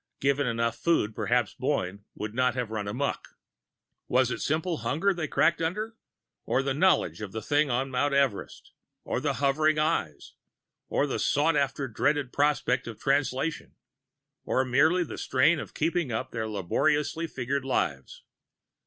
Given enough food, perhaps Boyne would not have run amok. Was it simple hunger they cracked under? Or the knowledge of the thing on Mount Everest, or the hovering Eyes, or the sought after dreaded prospect of Translation, or merely the strain of keeping up their laboriously figured lives?